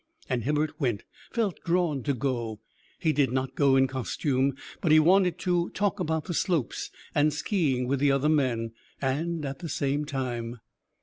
And Hibbert went felt drawn to go; he did not go in costume, but he wanted to talk about the slopes and ski ing with the other men, and at the same time....